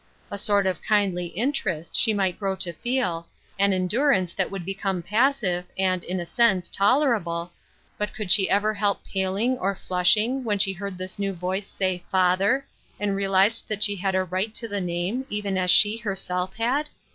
A sort of kindly interest, she might grow to feel, an endurance that would become passive, and, in a sense, tolerable, but could she ever help pal ing, or flushing, when she heard this new voice say " father," and realized that she had a right to the name, even as she heiself had